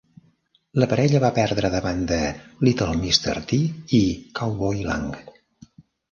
La parella va perdre davant de Little Mr. T i Cowboy Lang.